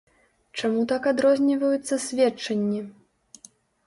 Чаму так адрозніваюцца сведчанні?